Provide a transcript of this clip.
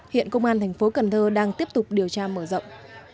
hiện công an tp cn đang tiếp tục điều tra mở rộng